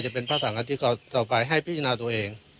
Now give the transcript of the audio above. จะเป็นพระสาวราชิกรต่อไปให้พิจรณาตัวเอง